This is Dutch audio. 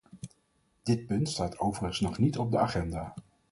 Dit punt staat overigens nog niet op de agenda.